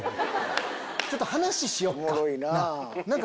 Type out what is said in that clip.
ちょっと話しよっか！